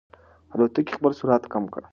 الوتکې خپل سرعت کم کړ.